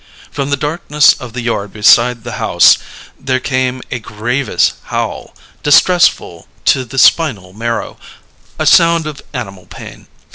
From the darkness of the yard beside the house there came a grievous howl, distressful to the spinal marrow, a sound of animal pain.